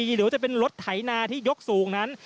หรือว่าจะเป็นรถไถนาที่ยกสูงนั้น